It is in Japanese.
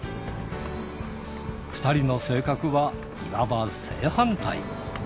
２人の性格はいわば正反対。